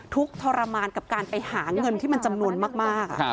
ทุกข์ทรมานกับการไปหาเงินที่มันจำนวนมาก